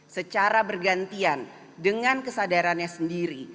secara bergantian dengan kesadarannya sendiri